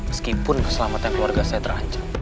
meskipun keselamatan keluarga saya terancam